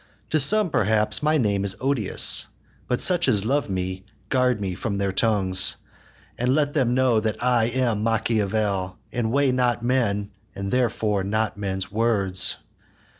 To some perhaps my name is odious; But such as love me, guard me from their tongues, And let them know that I am Machiavel, And weigh not men, and therefore not men's words.